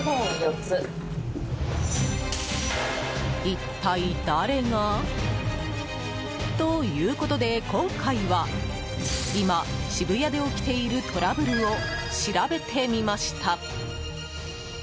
一体誰が？ということで今回は今、渋谷で起きているトラブルを調べてみました。